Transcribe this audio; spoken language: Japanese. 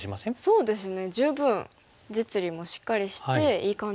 そうですよね。